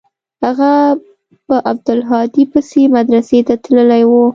هغه په عبدالهادي پسې مدرسې ته تللى و.